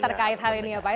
terkait hal ini ya pak